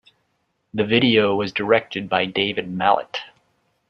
The video was directed by David Mallett.